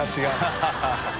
ハハハ